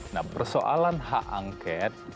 nah persoalan hak angket